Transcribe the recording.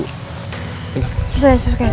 aduh ya sudah sudah